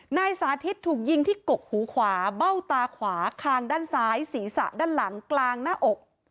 นายสาธิตถูกยิงที่กกหูขวาเบ้าตาขวาคางด้านซ้ายศีรษะด้านหลังกลางหน้าอก